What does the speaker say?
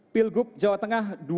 pilgub jawa tengah dua ribu delapan belas